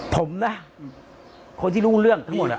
ผมนะคนที่รู้เรื่องทั้งหมด